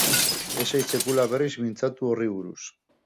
Ez zait sekula berriz mintzatu horri buruz.